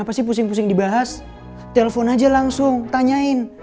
pasti pusing pusing dibahas telepon aja langsung tanyain